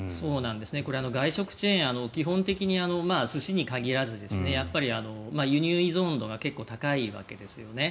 これ、外食チェーン基本的に寿司に限らずやっぱり、輸入依存度が結構高いわけですよね。